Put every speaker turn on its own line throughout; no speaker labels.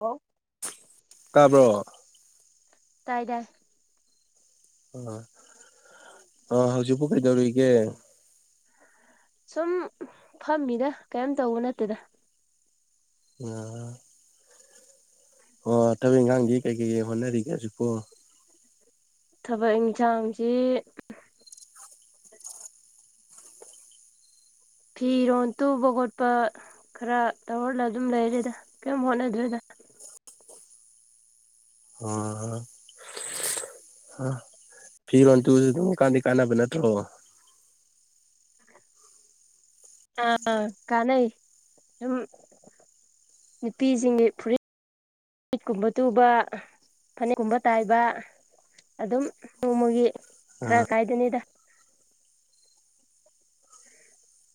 ꯍꯂ
ꯇꯥꯕ꯭ꯔꯣ
ꯇꯥꯏꯗ
ꯑ ꯑ ꯍꯧꯖꯤꯛꯕꯨꯨ ꯀꯩꯗꯧꯔꯤꯒꯦ
ꯁꯨꯝ ꯐꯝꯃꯤꯗ ꯀꯔꯤꯝ ꯇꯧꯕ ꯅꯠꯇꯦꯗ
ꯑ ꯑꯣ ꯊꯕꯛ ꯏꯪꯈꯥꯡꯗꯤ ꯀꯩ ꯀꯩ ꯍꯣꯠꯅꯔꯤꯒꯦ ꯍꯧꯖꯤꯛꯄꯥꯎ
ꯊꯕꯛ ꯏꯟꯈꯥꯡꯁꯤ ꯐꯤꯔꯣꯜ ꯇꯨꯕ ꯈꯣꯠꯄ ꯈꯔ ꯇꯧꯔꯒ ꯑꯗꯨꯝ ꯂꯩꯔꯦꯗ ꯀꯔꯤꯝ ꯍꯣꯠꯅꯗꯣꯏꯗ
ꯑꯣ ꯑ ꯐꯤꯔꯣꯟ ꯇꯨꯁꯨ ꯑꯗꯨꯝ ꯀꯥꯟꯗꯤ ꯀꯥꯟꯅꯕ ꯅꯠꯇ꯭ꯔꯣ
ꯑ ꯀꯥꯟꯅꯩ ꯑꯗꯨꯝ ꯅꯨꯄꯤꯁꯤꯡꯒꯤ ꯐꯨꯔꯤꯠ ꯐꯨꯠꯀꯨꯝꯕ ꯇꯨꯕ ꯐꯅꯦꯛꯀꯨꯝꯕ ꯇꯥꯏꯕ ꯑꯗꯨꯝ ꯅꯣꯡꯃꯒꯤ
ꯑ
ꯈ꯭ꯔ ꯀꯥꯏꯗꯦꯅꯤꯗ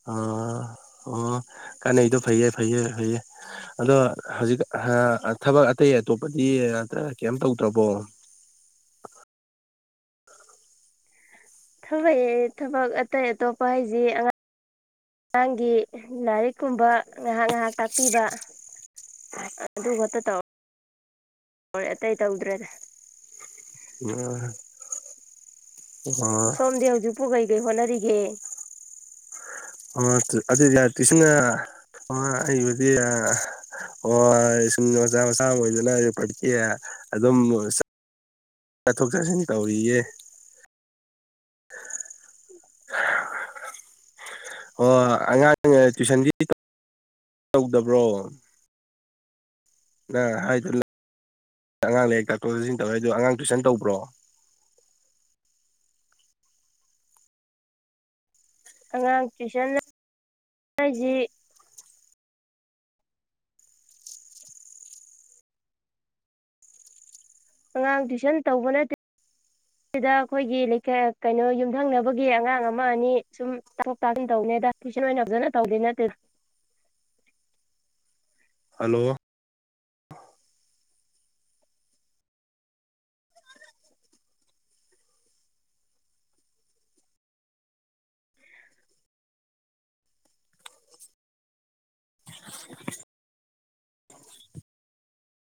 ꯑꯣ ꯀꯥꯟꯅꯩꯗꯣ ꯐꯩꯌꯦ ꯐꯩꯌꯦ ꯐꯩꯌꯦ ꯑꯗꯣ ꯍꯧꯖꯤꯛ ꯊꯕꯛ ꯑꯇꯩ ꯑꯇꯣꯞꯄꯗꯤ ꯀꯩꯝ ꯇꯧꯗ꯭ꯔꯕꯣ
ꯊꯕꯛ ꯊꯕꯛ ꯑꯇꯩ ꯑꯇꯣꯞꯄ ꯍꯥꯏꯁꯤ ꯑꯉꯥꯡ ꯑꯉꯥꯡꯒꯤ ꯂꯥꯏꯔꯤꯛꯀꯨꯝꯕ ꯉꯥꯏꯍꯥꯛ ꯉꯥꯏꯍꯥꯛ ꯇꯥꯛꯄꯤꯕ ꯑꯗꯨ ꯈꯛꯇ ꯇꯧꯔ ꯇꯔ ꯑꯇꯩ ꯇꯧꯗ꯭ꯔꯦꯗ
ꯑ
ꯁꯣꯝꯗꯤ ꯍꯧꯖꯤꯛꯄꯨ ꯀꯩ ꯀꯩ ꯍꯣꯠ ꯅꯥꯔꯤꯒꯦ
ꯑꯣ ꯑꯗꯨꯗꯤ ꯇꯨꯁꯤꯅ ꯑꯩꯕꯨꯗꯤ ꯑꯣꯝ ꯑꯣꯖꯥ ꯃꯆꯥ ꯑꯃꯥ ꯑꯣꯏꯗꯅ ꯑꯦ ꯑꯗꯨꯝ ꯆꯠꯊꯣꯛ ꯆꯠꯁꯤꯟ ꯇꯧꯔꯤꯌꯦ ꯑꯣ ꯑꯉꯥꯡ ꯇꯨꯋꯏꯁꯟꯗꯤ ꯇꯧꯗꯕ꯭ꯔꯣ ꯅꯪ ꯍꯥꯏꯗ ꯑꯉꯥꯡ ꯂꯔꯤꯛꯥꯛꯇꯣꯛ ꯆꯟ ꯇꯧꯋꯦ ꯑꯗ ꯑꯉꯥꯡ ꯇꯨꯏꯁꯟ ꯇꯧꯕ꯭ꯔꯣ
ꯑꯉꯥꯡ ꯇ꯭ꯨꯏꯁꯟ ꯍꯥꯏꯁꯤ ꯑꯉꯥꯡ ꯇꯨꯏꯁꯟ ꯇꯧꯕ ꯅꯠꯇꯦ ꯁꯤꯗ ꯑꯩꯈꯣꯏꯒꯤ ꯀꯩꯅꯣ ꯌꯨꯝꯊꯪꯅꯕꯒꯤ ꯑꯉꯥꯡ ꯑꯃ ꯑꯅꯤ ꯁꯨꯝ ꯇꯥꯊꯣꯛ ꯇꯥꯁꯤꯟ ꯇꯧꯅꯦꯗ ꯇꯨꯏꯁꯟ ꯑꯣꯏꯅ ꯐꯖꯅ ꯇꯧꯗꯦ ꯅꯠꯇꯦꯗ
ꯍꯜꯂꯣ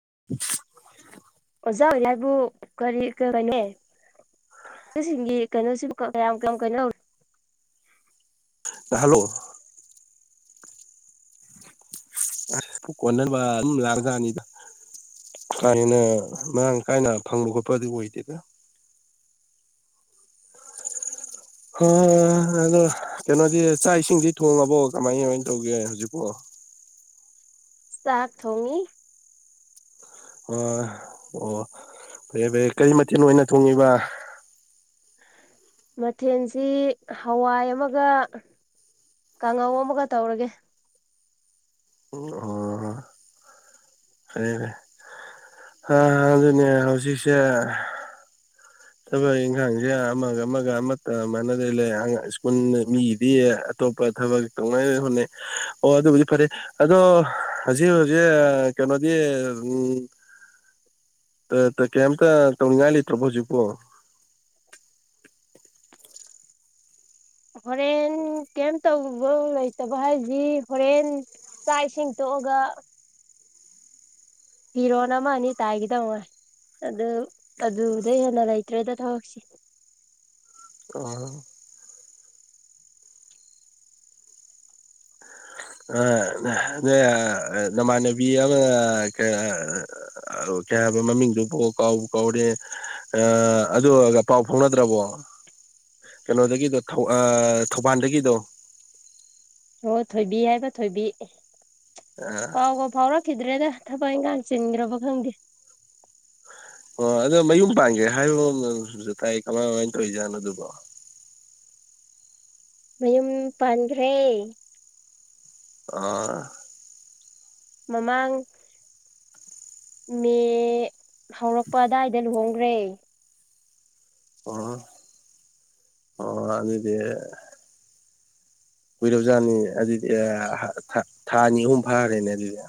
[inaudible]
ꯑꯣꯖꯥ ꯑꯣꯏꯔꯤ ꯍꯥꯏꯕꯨ ꯀꯔꯤ [unintelligible] ꯀꯅꯣꯁꯤꯡꯒꯤ ꯀꯩꯅꯣꯁꯤꯕꯨ ꯀꯌꯥꯝ- ꯀꯌꯥꯝ ꯀꯩꯅꯣ
ꯍꯜꯂꯣ! ꯑꯁ ꯀꯣꯟꯅꯕ ꯑꯗꯨꯝ ꯂꯥꯛ ꯖꯥꯠꯅꯤꯗ ꯀꯥ ꯍꯦꯟꯅ ꯃꯔꯥꯡ ꯀꯥꯏꯅ ꯐꯪꯕ ꯈꯣꯠꯄꯗꯤ ꯑꯣꯏꯗꯦꯗ꯫ ꯍ ꯑꯗꯨ ꯀꯩꯅꯣꯗꯤ ꯆꯥꯛ ꯏꯁꯤꯡꯗꯤ ꯊꯣꯡꯉꯕꯣ ꯀꯃꯥꯏ- ꯀꯃꯥꯏ ꯇꯧꯒꯦ ꯍꯧꯖꯤꯛ ꯋꯥ
ꯆꯥꯛ ꯊꯣꯡꯉꯤ ꯫
ꯑ ꯑꯣ꯫ ꯐꯩ - ꯐꯩ ꯀꯩ ꯃꯊꯦꯜ ꯑꯣꯏꯅ ꯊꯣꯡꯉꯤꯕ?
ꯃꯊꯦꯜꯁꯤ ꯍꯋꯥꯏ ꯑꯃꯒ ꯀꯥꯡꯉꯧ ꯑꯃꯒ ꯇꯧꯔꯒꯦ꯫
ꯑꯣ ꯑ꯫ ꯐꯩꯌꯦꯗꯥ ꯑ ꯑꯗꯨꯅꯦ ꯍꯧꯖꯤꯛꯁꯦ ꯊꯕꯛ ꯏꯟꯈꯥꯡꯁꯦ ꯑꯃꯒ - ꯑꯃꯒ ꯑꯃꯠꯇ ꯃꯥꯏꯅꯗ ꯂꯩ ꯁ꯭ꯀꯨꯜ ꯃꯤꯒꯤꯗꯤ ꯑꯇꯣꯞꯄ ꯊꯕꯛ ꯇꯧꯅꯥꯏ ꯍꯣꯠꯅꯩ ꯑꯣ ꯑꯗꯨꯕꯨꯗꯤ ꯐꯔꯦ ꯑꯗꯣ ꯍꯧꯖꯤꯛ - ꯍꯧꯖꯤꯛ ꯀꯩꯅꯣꯗꯤ ꯎꯝ ꯀꯩꯝꯇ ꯇꯧꯅꯤꯡꯉꯥꯏ ꯂꯩꯇ꯭ꯔꯣꯕ ꯍꯧꯖꯤꯛ? ꯑꯣ
ꯍꯣꯔꯦꯟ ꯀꯩ ꯇꯧꯕ ꯂꯩꯇꯕ ꯍꯥꯏꯁꯤ ꯍꯣꯔꯦꯟ ꯆꯥꯛ ꯏꯁꯤꯡ ꯇꯣꯛꯑꯒ ꯐꯤꯔꯣꯟ ꯑꯃ ꯑꯅꯤ ꯇꯥꯏꯒꯤꯗꯧ ꯉꯥꯏ ꯑꯗꯨ ꯑꯗꯨꯗꯩ ꯍꯦꯟꯅ ꯂꯩꯇ꯭ꯔꯦꯗ ꯊꯕꯛꯁꯤ ꯫
ꯑ꯫ ꯅ ꯅꯃꯥꯟꯅꯕꯤ ꯑꯃ ꯀꯩ ꯍꯥꯏꯕ ꯃꯃꯤꯡꯗꯨꯕꯨ ꯀꯥꯎꯕꯨ ꯀꯥꯎꯔꯦ ꯑ ꯑꯗꯨ ꯄꯥꯎ ꯐꯥꯎꯅꯗ꯭ꯔꯕꯣ ꯀꯩꯅꯣꯗꯒꯤꯗꯣ ꯑꯥ ꯊꯧꯕꯥꯜꯗꯒꯤꯗꯣ꯫
ꯑꯣ ꯊꯣꯏꯕꯤ ꯍꯥꯏꯕ ꯊꯣꯏꯕꯤ꯫ ꯄꯥꯎꯒ ꯐꯥꯎꯔꯛ ꯈꯤꯗꯔ꯭ꯦꯗꯥ꯫ ꯊꯕꯛ ꯏꯪꯈꯥꯡ ꯆꯤꯟꯈ꯭ꯔꯕ ꯈꯪꯗꯦ꯫
ꯑꯣ ꯑꯗꯣ ꯃꯌꯨꯝ ꯄꯥꯟꯒꯦ ꯍꯥꯏꯕ ꯃꯁꯨ ꯇꯥꯏ ꯀꯃꯥꯏ- ꯀꯃꯥꯏꯅ ꯇꯧꯔꯤꯖꯥꯠꯣ ꯑꯗꯨꯕꯣ꯫
ꯃꯌꯨꯝ ꯄꯥꯟꯈ꯭ꯔꯦ꯫
ꯑꯥ꯫
ꯃꯃꯥꯡ ꯃꯦ ꯍꯧꯔꯛꯄ ꯑꯗꯥꯋꯥꯏꯗ ꯂꯨꯍꯣꯡ [unintelligible]
ꯑ ꯑꯣ ꯑꯗꯨꯗꯤ ꯀꯨꯏꯔꯕꯖꯥꯠꯅꯤ ꯑꯗꯨꯗꯤ ꯊꯥ ꯑꯅꯤ ꯑꯍꯨꯝ ꯐꯥꯈ꯭ꯔꯦꯅꯦ ꯑꯗꯨꯗꯤ꯫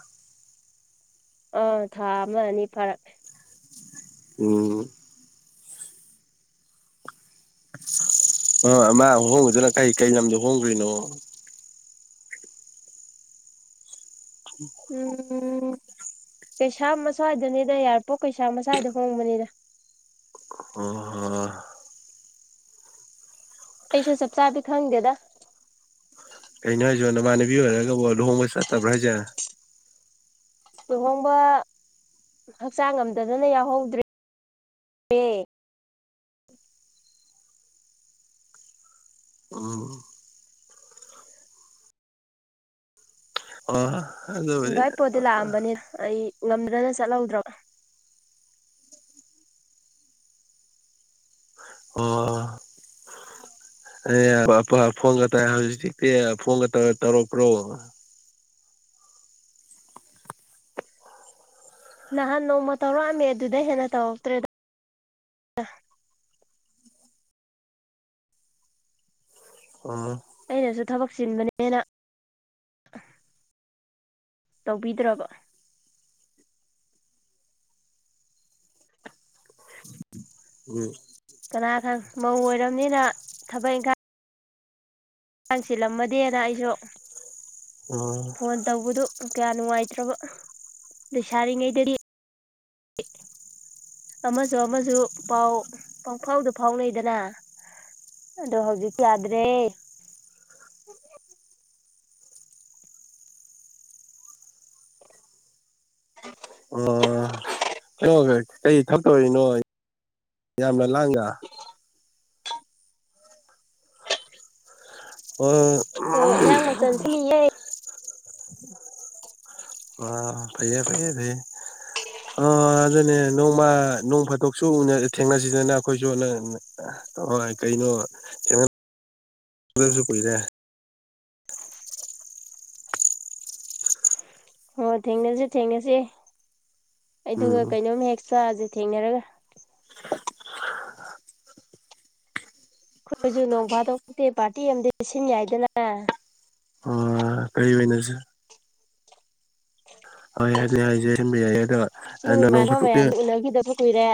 ꯑꯥ ꯊꯥ ꯑꯃ ꯑꯅꯤ ꯐꯥꯔꯛꯑꯦ꯫
ꯎꯝ꯫ ꯑ ꯃꯥ ꯍꯣꯡꯕꯗꯅ ꯀꯩ ꯀꯩ ꯂꯝꯗꯣ ꯍꯣꯡꯗꯒꯔꯤꯅꯣ?
ꯎꯝ꯫ ꯎꯝ ꯀꯩꯁꯥꯝ ꯃꯁ꯭ꯋꯥꯏꯗꯅꯤꯗ ꯏꯌꯥꯔꯄꯣꯔ ꯀꯩꯁꯥꯝ ꯃꯁ꯭ꯋꯥꯏꯗ ꯍꯣꯡꯕꯅꯤꯗ꯫
ꯑꯣ ꯍ꯫
ꯑꯩꯁꯨ ꯆꯞ ꯆꯕꯗꯤ ꯈꯡꯗꯦꯗꯥ꯫
ꯀꯩꯅꯣ ꯍꯥꯏꯁꯨ ꯅꯃꯥꯟꯅꯕꯤ ꯑꯣꯏꯔꯒꯕꯨ ꯂꯨꯍꯣꯡꯕꯁꯨ ꯆꯠꯇꯕ꯭ꯔꯥ ꯍꯥꯏꯁꯦ?
ꯂꯨꯍꯣꯡꯕ ꯍꯛꯆꯥꯡ ꯉꯝꯗꯗꯅ ꯌꯥꯎꯍꯧꯗ꯭ꯔꯦ꯫
ꯎꯝ꯫ ꯑ
ꯚꯥꯏ ꯄꯣꯗꯤ ꯂꯥꯛꯑꯝꯕꯅꯤ ꯑꯩ ꯉꯝꯗ꯭ꯔꯅ ꯆꯠꯍꯧꯗ꯭ꯔ
ꯑꯣ ꯐꯣꯟꯒ ꯇ ꯍꯧꯖꯤꯛꯖꯤꯛꯇꯤ ꯐꯣꯟꯒ ꯇꯧ ꯇꯧꯔꯛꯄ꯭ꯔꯣ
ꯅꯍꯥꯟ ꯅꯣꯡꯃ ꯇꯧꯔꯛꯑꯝꯃꯦ ꯑꯗꯨꯗ ꯍꯦꯟꯅ ꯇꯧꯔꯛꯇ꯭ꯔꯦ
ꯑꯣ
ꯑꯩꯅꯁꯨ ꯊꯕꯛ ꯆꯟꯕꯅꯦꯅ ꯇꯧꯕꯤꯗ꯭ꯔꯕ
ꯎꯝ
ꯀꯅꯥ ꯈꯪ ꯃꯧ ꯑꯣꯏꯔꯕꯅꯤꯅ ꯊꯕꯛ ꯏꯪꯈ ꯀ ꯁꯤꯜꯂꯝꯃꯗꯦꯅ ꯑꯩꯁꯨ
ꯑꯣ
ꯐꯟ ꯇꯧꯕꯗꯨ ꯀꯌꯥ ꯅꯨꯡꯉꯥꯏꯇ꯭ꯔꯕ ꯂꯩꯁꯥꯔꯤꯉꯩꯗꯗꯤ ꯑꯃꯁꯨ ꯑꯃꯁꯨ ꯄꯥꯎ ꯄꯪꯐꯥꯎꯗ ꯐꯥꯎꯅꯩꯗꯅ ꯑꯗꯣ ꯍꯧꯖꯤꯛ ꯌꯥꯗ꯭ꯔꯦ ꯎ
ꯑꯣ ꯀꯩꯅꯣ ꯀꯩ ꯊꯛꯇꯣꯔꯤꯅꯣ ꯌꯥꯝꯅ ꯂꯥꯡꯅ ꯑꯣ ꯑ
ꯑꯣ ꯌꯥꯝ ꯃ ꯆꯟꯁꯤ
ꯎ ꯑꯥ ꯐꯩꯌꯦ ꯐꯩꯌꯦ ꯐꯩꯌꯦ ꯑ ꯑꯗꯨꯅꯦ ꯅꯣꯡꯃ ꯅꯣꯡ ꯐꯥꯠꯇꯣꯛꯁꯨ ꯊꯦꯡꯅꯁꯤꯗꯅ ꯑꯩꯈꯣꯏꯁꯨ ꯅꯪ ꯍꯣꯏ ꯀꯩꯅꯣ ꯊꯦꯡꯅꯗꯕꯁꯨ ꯀꯨꯏꯔꯦ
ꯍꯣꯏ ꯊꯦꯡꯅꯁꯤ ꯊꯦꯡꯅꯁꯤ ꯑꯩꯗꯨ
ꯎꯝ
ꯀꯩꯅꯣꯝ ꯍꯦꯛ ꯆꯁꯤ ꯊꯦꯡꯅꯔꯒ
[inaudible]
ꯑꯩꯈꯣꯏꯁꯨ ꯅꯣꯡ ꯐꯥꯗꯣꯛꯇꯦ ꯄꯥꯔꯇꯤ ꯑꯗ ꯁꯤꯟ ꯌꯥꯏꯗꯅ
ꯑ ꯀꯩ ꯑꯣꯏꯅꯁꯨꯦ ꯌꯥꯏꯌꯦ ꯑꯗꯣ
ꯑꯗꯨꯝ
ꯅꯣꯡ
ꯏꯃꯥꯟꯅꯕ
ꯐꯥꯗꯣꯛꯇꯤ
ꯃꯌꯥꯝꯗ ꯎꯅꯈꯤꯗꯕ ꯀꯨꯏꯔꯦ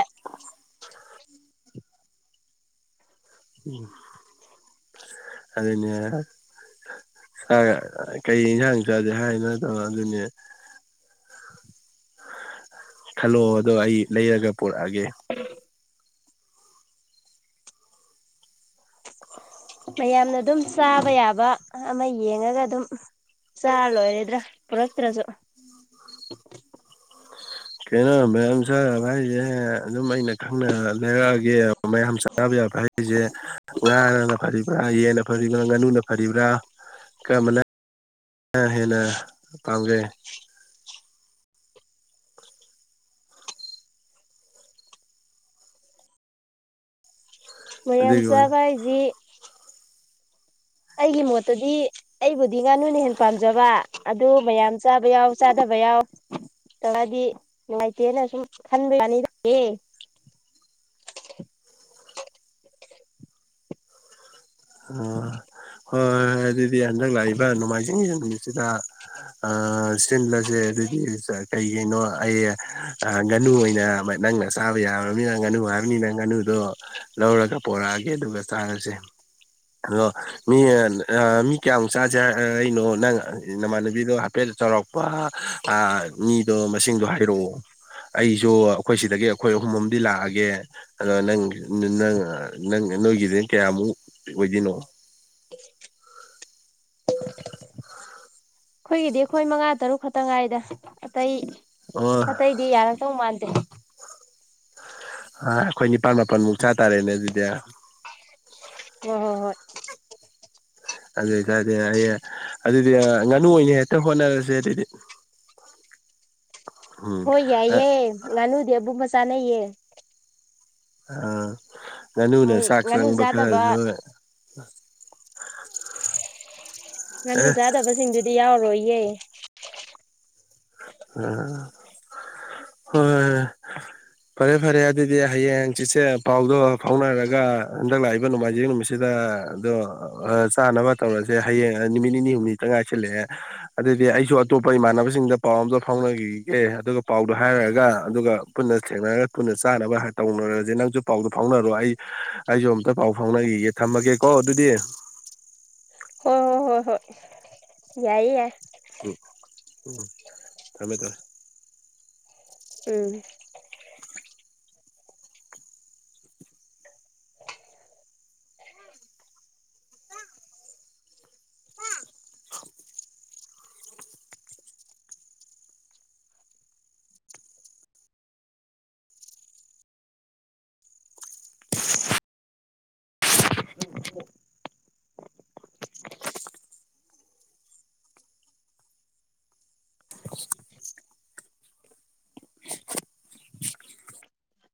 ꯎꯝ ꯑꯗꯨꯗꯅꯦ ꯍ ꯀꯩ ꯏꯪꯁꯥꯡ ꯆꯖꯦ ꯍꯥꯏꯅꫭ ꯑ ꯑꯗꯨꯅꯤ [unintelligible] ꯈꯜꯂꯣ ꯑꯗꯣ ꯑꯩ ꯂꯩꯔꯒ ꯄꯨꯔꯛꯑꯒꯦ
ꯃꯌꯥꯝꯅ ꯑꯗꯨꯝ ꯆꯥꯕ ꯌꯥꯕ ꯑꯃ ꯌꯦꯡꯉꯒ ꯑꯗꯨꯝ ꯆꯥꯔ ꯂꯣꯏꯔꯗ꯭ꯔꯥ ꯄꯨꯔꯛꯇ꯭ꯔꯁꯨ
ꯀꯩꯅꯣ ꯃꯌꯥꯝ ꯆꯥ ꯍꯥꯏꯁꯦ ꯑꯗꯨꯝ ꯑꯩꯅ ꯈꯪꯅ ꯂꯩꯔꯛꯒꯤ ꯃꯌꯥꯝ ꯆꯥꯅꯕ ꯌꯥꯕ꯭ꯔꯥ ꯍꯥꯏꯔꯤꯁꯦ ꯉꯥꯅ ꯐꯔꯤꯕ꯭ꯔꯥ ꯌꯦꯟꯟꯅ ꯐꯔꯤꯕ꯭ꯔꯥ ꯉꯥꯅꯨꯅ ꯐꯔꯤꯕ꯭ꯔꯥ ꯀꯃꯅ ꯑ ꯍꯦꯟꯅ ꯄꯥꯝꯒꯦ
ꯃꯣꯏ
ꯑꯗꯨꯒꯤ ꯋꯥꯅꯤ
ꯑꯝꯆꯥꯐꯥꯏꯖꯤ ꯑꯩꯒꯤ ꯃꯣꯠꯇꯗꯤ ꯗꯤ ꯉꯥꯅꯨꯅ ꯍꯦꯟꯅ ꯄꯥꯝꯖꯕ ꯑꯗꯨ ꯃꯌꯥꯝ ꯆꯥꯕ ꯌꯥꯎ ꯆꯥꯗꯕ ꯌꯥꯎ ꯇꯧꯔꯗꯤ ꯅꯨꯡꯉꯥꯏꯇꯦꯅ ꯁꯨꯝ ꯈꯟꯕ ꯌꯥꯅꯤ
ꯑꯣ ꯍꯣꯏ ꯑꯗꯨ ꯍꯟꯗꯥꯛ ꯂꯥꯏꯕ ꯅꯣꯡꯥꯏꯖꯤꯡ ꯅꯨꯃꯤꯠ ꯁꯤꯗ ꯑ ꯆꯜꯂꯁꯦ ꯑꯗꯨꯗꯤ ꯀꯩꯒꯤꯅꯣ ꯑꯩ ꯉꯥꯅꯨ ꯑꯣꯏꯅ ꯅꯪꯅ ꯆꯥꯕ ꯌꯥꯔꯕꯅꯤꯅ ꯉꯥꯅꯨ ꯍꯥꯏꯔꯅꯤꯅ ꯉꯥꯅꯨꯗꯣ ꯂꯧꯔꯒ ꯄꯣꯔꯛꯑꯒꯦ ꯑꯗꯨꯒ ꯆꯥꯔꯁꯦ ꯑꯗꯣ ꯃꯤ ꯃꯤ ꯀꯌꯥꯃꯨꯛ ꯆꯥꯁꯦ ꯑꯩꯅꯣ ꯅꯪ ꯅꯃꯥꯟꯅꯕꯤꯗꯣ ꯍꯥꯏꯐꯦꯠ ꯆꯥꯎꯔꯥꯛꯄ ꯃꯤꯗꯣ ꯃꯁꯤꯡꯗꯣ ꯍꯥꯏꯔꯛꯑꯣ ꯑꯩꯁꯨ ꯑꯩꯈꯣꯏ ꯁꯤꯗꯒꯤ ꯑꯩꯈꯣꯏ ꯑꯍꯨꯝ ꯑꯝꯗꯤ ꯂꯥꯛꯑꯒꯦ ꯑꯗꯣ ꯅꯪ ꯅꯪ ꯅꯪ ꯅꯣꯏꯒꯤꯗꯨ ꯀꯌꯥꯃꯨꯛ ꯑꯣꯏꯗꯤꯅꯣ [inaudible]
ꯑꯩꯈꯣꯏꯒꯤꯗꯤ ꯑꯩꯈꯣꯏ ꯃꯉꯥ ꯇꯔꯨꯛ ꯇꯉꯥꯏꯗ ꯑꯇꯩ
ꯑꯣ
ꯑꯇꯩꯗꯤ ꯌꯥꯔꯛꯇꯧ ꯃꯥꯟꯗ꯭ꯔꯦ
ꯑ ꯑꯩꯈꯣꯏ ꯅꯤꯄꯥꯜ ꯃꯥꯄꯜ ꯃꯨꯛ ꯆꯥ ꯇꯥꯔꯦꯅꯦ ꯑꯗꯨꯗꯤ
ꯍꯣꯏ ꯍꯣꯏ ꯍꯣꯏ
ꯑꯗꯨ ꯑꯣꯏꯇꯥꯔꯗꯤ ꯑꯩ ꯑꯗꯨꯗꯤ ꯉꯥꯅꯨ ꯑꯣꯏꯅ ꯍꯦꯛꯇ ꯍꯣꯠꯅꯔꯁꯦ ꯑꯗꯨꯗꯤ ꯎꯝ
ꯍꯣꯏ
ꯑ
ꯌꯥꯏꯌꯦ ꯉꯅꯨꯗꯤ ꯑꯕꯨ ꯃꯁ ꯆꯅꯌꯦꯦ
ꯑ ꯉꯥꯅꯨꯅ
ꯃꯣꯏ
ꯆꯥꯛ
ꯉꯥꯅꯨ
ꯆꯪꯕꯈꯔꯁꯨ ꯑꯝ
ꯉꯅꯨ
ꯑꯦ
ꯆꯥꯗꯕꯁꯤꯡꯗꯨꯗꯤ ꯌꯥꯎꯔꯣꯏ ꯌꯦ
ꯑ ꯍꯣꯏ ꯐꯔꯦ ꯐꯔꯦ ꯑꯗꯨꯗꯤ ꯍꯌꯦꯡ ꯍꯪꯆꯤꯠꯁꯦ ꯄꯥꯎꯗꯣ ꯐꯥꯎꯅꯔꯒ ꯍꯟꯗꯛ ꯂꯥꯛꯏꯕ ꯅꯣꯡꯃꯥꯏꯖꯤꯡ ꯅꯨꯃꯤꯠꯁꯤꯗ ꯑꯗꯣ ꯆꯥꯅꯕ ꯇꯧꯔꯁꯦ ꯍꯌꯦꯡ ꯅꯨꯃꯤꯠ ꯅꯤꯅꯤ ꯍꯨꯝꯅꯤꯇꯪ ꯉꯥꯏꯁꯤꯜꯂꯛꯑꯦ ꯑꯗꯨꯗꯤ ꯑꯩꯁꯨ ꯑꯇꯣꯞꯄ ꯏꯃꯥꯟꯅꯕꯁꯤꯡꯗ ꯄꯥꯎ ꯑꯝꯇ ꯐꯥꯎꯅꯈꯤꯒꯦ ꯑꯗꯨꯒ ꯄꯥꯎꯗꯣ ꯍꯥꯏꯔꯛꯒ ꯑꯗꯨꯒ ꯄꯨꯟꯅ ꯊꯦꯡꯅꯔꯒ ꯄꯨꯟꯅ ꯆꯥꯅꯕ ꯇꯧꯅꯔꯁꯦ ꯅꯪꯁꯨ ꯄꯥꯎꯗ ꯐꯥꯎꯅꯔꯣ ꯑꯩ ꯑꯩꯁꯨ ꯑꯝꯇ ꯄꯥꯎ ꯐꯥꯎꯅꯈꯤꯒꯦ ꯊꯝꯃꯒꯦꯀꯣ ꯑꯗꯨꯗꯤ
ꯍꯣꯏ ꯍꯣꯏ ꯍꯣꯏ ꯍꯣꯏ ꯌꯥꯏ ꯌꯥ
ꯎꯝ ꯎꯝ ꯊꯝꯃꯦ
ꯎꯝ
ꯑ [inaudible] [inaudible]